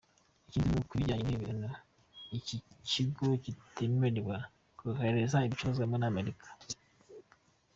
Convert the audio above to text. Ikindi ni uko, bijyanye n'ibi bihano, iki kigo kitemerewe kohereza ibicuruzwa muri Amerika.